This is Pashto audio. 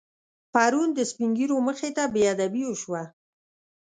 پرون د سپینږیرو مخې ته بېادبي وشوه.